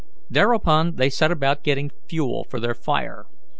Thereupon they set about getting fuel for their fire.